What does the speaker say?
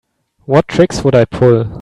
What tricks would I pull?